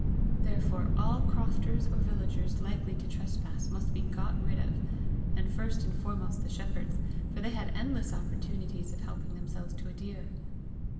Therefore all crofters or villagers likely to trespass must be got rid of and first and foremost the shepherds, for they had endless opportunities of helping themselves to a deer.